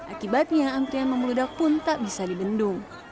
akibatnya antrean memeludak pun tak bisa dibendung